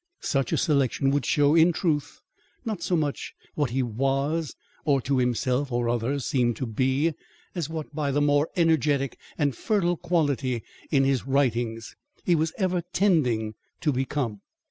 Such a selection would show, in truth, not so much what he was, or to himself or others seemed to be, as what, by the more energetic and fertile quality in his writings, he was ever tending to become.